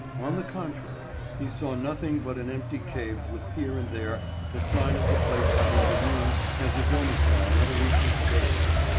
On the contrary, he saw nothing but an empty cave with here and there a sign of the place having been used as a domicile at a recent date.